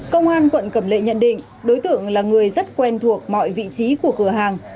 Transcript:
công an quận cẩm lệ nhận định đối tượng là người rất quen thuộc mọi vị trí của cửa hàng